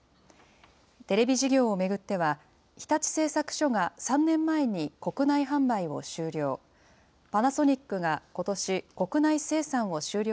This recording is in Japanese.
テレビ事業を巡っては、日立製作所が３年前に国内販売を終了。